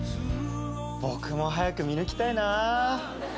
僕も早く見抜きたいなぁ。